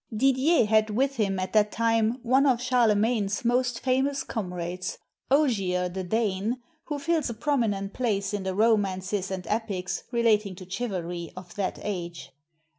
] Didier had with him at that time one of Charlemagne's most famous comrades, Ogier the Dane, who fills a prom inent place in the romances and epics, relating to chiv alry, of that age.